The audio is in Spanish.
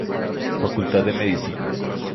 Facultad de Medicina.